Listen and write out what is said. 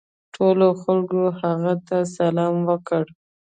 ټولو خلکو هغه ته سلام وکړ.